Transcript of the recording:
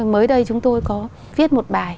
mới đây chúng tôi có viết một bài